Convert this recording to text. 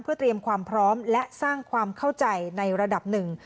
เพื่อเตรียมความพร้อมและสร้างความเข้าใจในระดับหนึ่ง